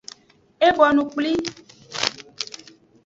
E bonu kpli.